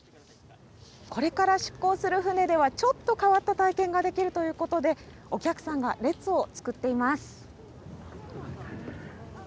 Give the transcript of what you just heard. これから出港する船ではちょっと変わった体験ができるということでお客さんが列を作っています。